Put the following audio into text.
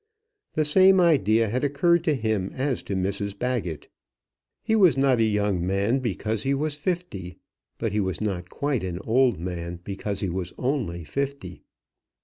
The same idea had occurred to him as to Mrs Baggett. He was not a young man, because he was fifty; but he was not quite an old man, because he was only fifty.